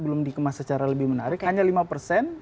belum dikemas secara lebih menarik hanya lima persen